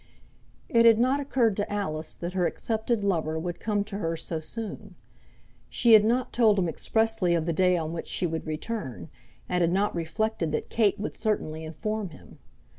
It had not occurred to Alice that her accepted lover would come to her so soon. She had not told him expressly of the day on which she would return, and had not reflected that Kate would certainly inform him.